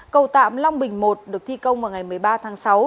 cầu tạm long bình i được thi công vào ngày một mươi ba tháng sáu